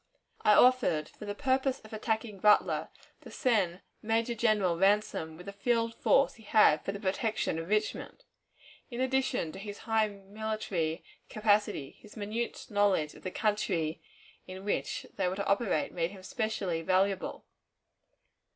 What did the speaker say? I offered, for the purpose of attacking Butler, to send Major General Ransom with the field force he had for the protection of Richmond. In addition to his high military capacity, his minute knowledge of the country in which they were to operate made him specially valuable.